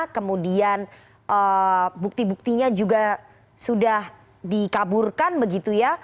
kemudian bukti buktinya juga sudah dikaburkan begitu ya